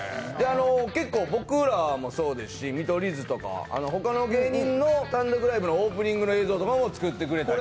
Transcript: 結構、僕らもそうですし見取り図とか他の芸人の単独ライブのオープニングの映像とかも作ってもらってる。